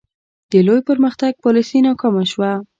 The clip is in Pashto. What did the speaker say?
د لوی پرمختګ پالیسي ناکامه شوه.